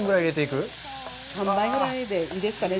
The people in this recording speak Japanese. このぐらいでいいですかね。